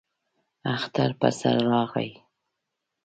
اختر پر سر راغی.